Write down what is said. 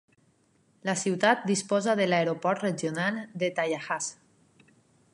La ciutat disposa de l'Aeroport Regional de Tallahassee.